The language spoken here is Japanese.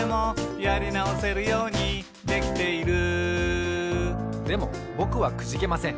「やりなおせるようにできている」でもぼくはくじけません。